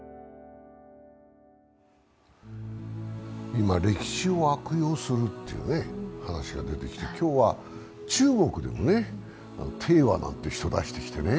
今、歴史を悪用するって話が出てきて、今日は中国でも鄭和なんて人を出してきてね